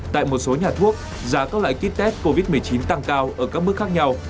tại một số nhà thuốc giá các loại kit test covid một mươi chín tăng cao ở các mức khác nhau